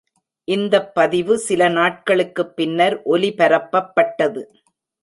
இந்தப் பதிவு சில நாட்களுக்குப் பின்னர் ஒலிபரப்பப்பட்டது.